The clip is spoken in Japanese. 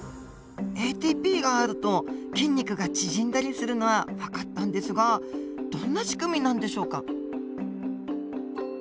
ＡＴＰがあると筋肉が縮んだりするのはわかったんですがどんな仕組みなんでしょうか。